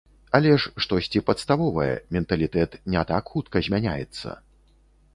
Але ж штосьці падставовае, менталітэт не так хутка змяняецца!